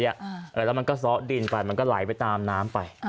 แล้วมันก็ซ้อดินไปมันก็ไหลไปตามน้ำไป